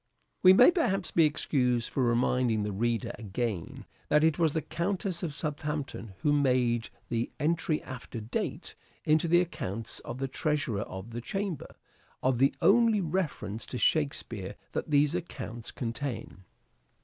We may perhaps be excused for reminding the reader again that it was the Countess of Southampton who made the entry after date into the accounts of the Treasurer of the Chamber, of the only reference to Shakespeare that these accounts contain.